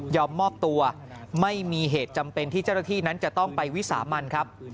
มอบตัวไม่มีเหตุจำเป็นที่เจ้าหน้าที่นั้นจะต้องไปวิสามันครับ